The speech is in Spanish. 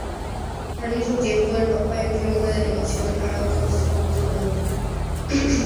Al mismo tiempo, el papa envió una delegación a Constantinopla.